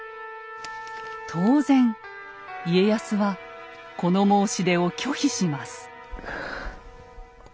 当然家康はこの申し出を拒否します。